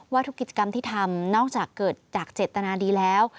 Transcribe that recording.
ว่าทุกกิจกรรมที่ทำนอกจากเกิดจากเจตนาดีแล้ว